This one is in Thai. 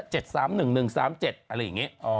อะไรอย่างนี้